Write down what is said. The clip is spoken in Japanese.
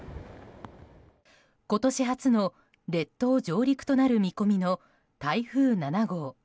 今年初の列島上陸となる見込みの台風７号。